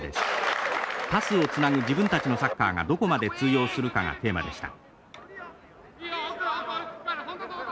パスをつなぐ自分たちのサッカーがどこまで通用するかがテーマでした。